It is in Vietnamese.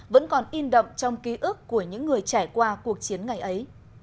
vẫn còn in đậm trong ký ức của những người trải qua cuộc chiến ngày ấy